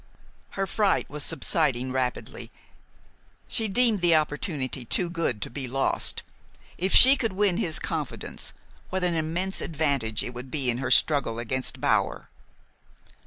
Her fright was subsiding rapidly. She deemed the opportunity too good to be lost. If she could win his confidence, what an immense advantage it would be in her struggle against Bower!